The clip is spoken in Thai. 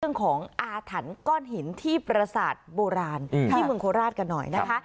เรื่องของอาถรรพ์ก้อนหินที่ประสาทโบราณที่เมืองโคราชกันหน่อยนะคะ